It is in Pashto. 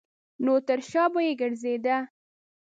نو تر شا به یې ګرځېده.